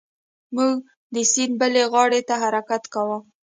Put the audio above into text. موږ د سیند بلې غاړې ته حرکت کاوه.